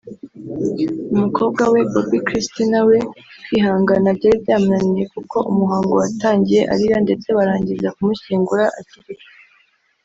umukobwa we Bobbi Kristina we kwihangana byari byamunaniye kuko umuhango watangiye arira ndetse barangiza kumushyingura akirira